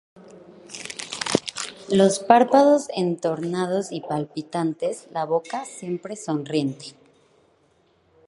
los párpados entornados y palpitantes, la boca siempre sonriente